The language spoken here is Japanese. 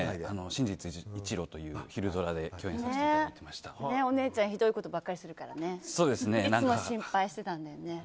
「真実一路」という昼ドラでお姉ちゃんひどいことばっかりするからいつも心配していたんだよね。